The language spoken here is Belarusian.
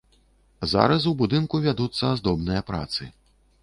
Зараз у будынку вядуцца аздобныя працы.